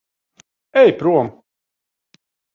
Ej prom.